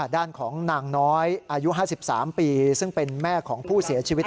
ด้านของนางน้อยอายุ๕๓ปีซึ่งเป็นแม่ของผู้เสียชีวิต